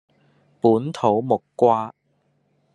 本土木瓜